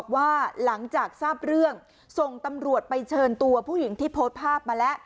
ว่าหลังจากทราบเรื่องส่งตำรวจไปเชิญตัวผู้หญิงที่โพสต์ภาพมาแล้ว